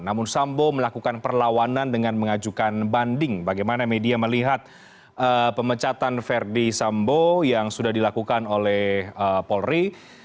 namun sambo melakukan perlawanan dengan mengajukan banding bagaimana media melihat pemecatan verdi sambo yang sudah dilakukan oleh polri